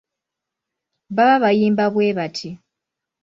Baba bayimba bwe bati.